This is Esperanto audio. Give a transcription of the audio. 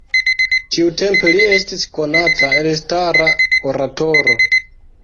Tiutempe li estis konata elstara oratoro.